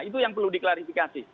itu yang perlu diklarifikasi